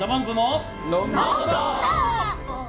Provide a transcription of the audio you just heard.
「ノンストップ！」。